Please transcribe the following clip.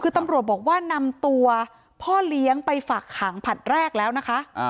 คือตำรวจบอกว่านำตัวพ่อเลี้ยงไปฝากขังผัดแรกแล้วนะคะ